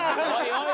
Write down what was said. おい！